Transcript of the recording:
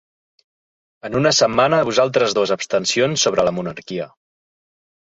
En una setmana vosaltres dos abstencions sobre la monarquia.